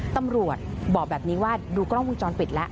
ตำรวจบอกแบบนี้ว่าดูกล้องวงจรปิดแล้ว